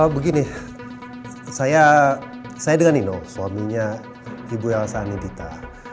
begini saya dengan nino suaminya ibu elsa nintita